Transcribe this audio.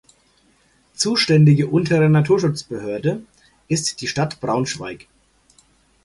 Zuständige untere Naturschutzbehörde ist die Stadt Braunschweig.